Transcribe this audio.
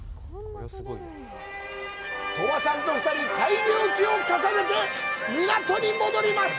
鳥羽さんと２人大漁旗を掲げて港に戻ります。